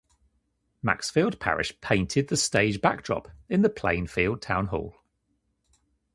Maxfield Parrish painted the stage backdrop in the Plainfield Town Hall.